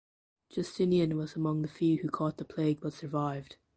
Justinian was among the few who caught the plague but survived.